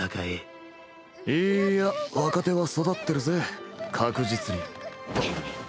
いいや若手は育ってるぜ確実に。